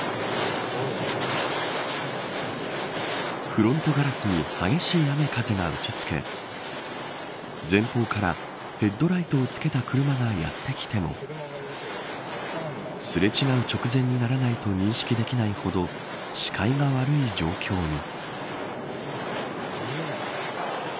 フロントガラスに激しい雨風が打ち付け前方からヘッドライトをつけた車がやって来てもすれ違う直前にならないと認識できないほど視界が悪い状況に。